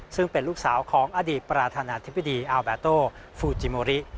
ซึ่งเป็นลูกสาวของอดีตประธานาธิบดีอาแบโตฟูจิโมริ